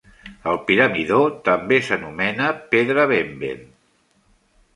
El piramidó també s'anomena "pedra Benben".